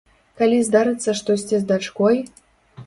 Калі здарыцца штосьці з дачкой?